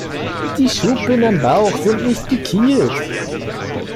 Die Schuppen am Bauch sind nicht gekielt.